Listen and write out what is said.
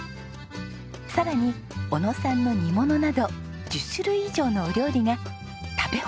さらに小野さんの煮物など１０種類以上のお料理が食べ放題なんです！